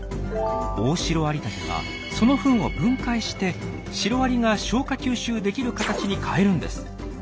オオシロアリタケはそのフンを分解してシロアリが消化吸収できる形に変えるんです。